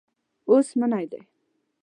اوس منی دی.